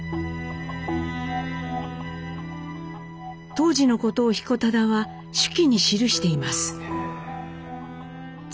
当時のことを彦忠は手記に記しています。